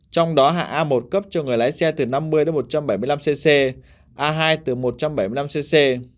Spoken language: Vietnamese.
trong đó hạng a một cấp cho người lái xe từ năm mươi đến một trăm bảy mươi năm cc a hai từ một trăm bảy mươi năm cc